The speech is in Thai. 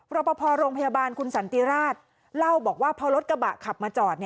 รอปภโรงพยาบาลคุณสันติราชเล่าบอกว่าพอรถกระบะขับมาจอด